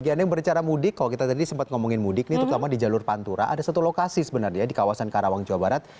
gian yang bercara mudik kalau kita tadi sempat ngomongin mudik ini terutama di jalur pantura ada satu lokasi sebenarnya di kawasan karawang jawa barat